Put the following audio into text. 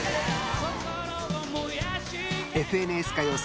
「ＦＮＳ歌謡祭」